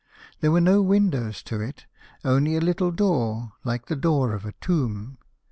There were no windows to it, only a little door like the door of a tomb.